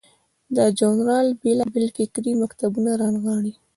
دا ژورنال بیلابیل فکري مکتبونه رانغاړي.